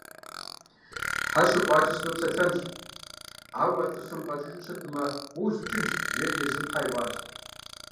Тхьэ щыпӀуакӀэ сынопсэлъэнщ, ауэ а лӏыр сумыгъэукӀыжу щытмэ, уэ узукӀынщ, жери езыми тхьэ иӀуащ.